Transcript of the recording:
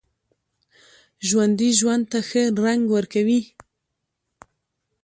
ژوندي ژوند ته ښه رنګ ورکوي